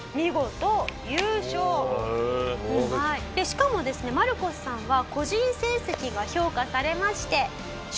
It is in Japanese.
しかもですねマルコスさんは個人成績が評価されまして。